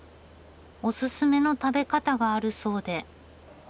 おすすめの食べ方があるそうで。